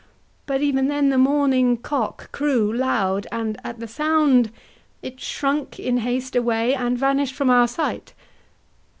But even then the morning cock crew loud, And at the sound it shrunk in haste away, And vanish'd from our sight. HAMLET.